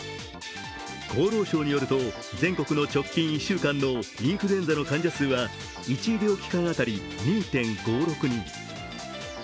厚労省によると、全国の直近１週間のインフルエンザの患者数が１医療機関当たり２．５６人。